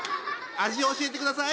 味を教えてください。